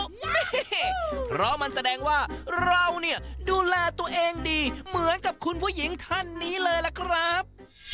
แม่เพราะมันแสดงว่าเราเนี่ยดูแลตัวเองดีเหมือนกับคุณผู้หญิงท่านนี้เลยล่ะครับ